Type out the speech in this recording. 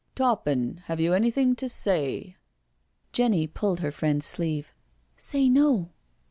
" Toppin, have you anything to say?" Jenny pulled her friend's sleeve. " Say no."